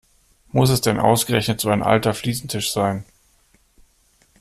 Muss es denn ausgerechnet so ein alter Fliesentisch sein?